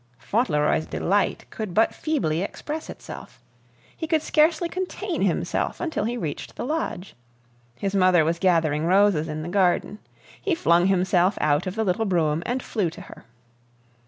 Fauntleroy's delight could but feebly express itself. He could scarcely contain himself until he reached the lodge. His mother was gathering roses in the garden. He flung himself out of the little brougham and flew to her.